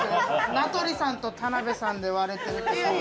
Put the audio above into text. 名取さんと田辺さんで割れてる。